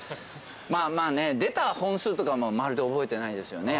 まあね出た本数とかもまるで覚えてないですよね